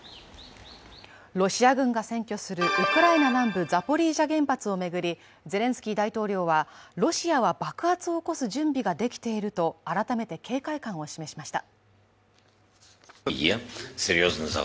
ロシア軍が占拠するウクライナ南部、ザポリージャ原発を巡りゼレンスキー大統領はロシアは爆発を起こす準備ができていると改めて警戒感を示しました。